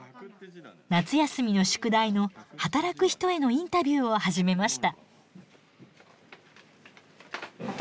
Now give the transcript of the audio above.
夏休みの宿題の「働く人へのインタビュー」を始めました。